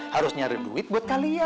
harus nyari duit buat kalian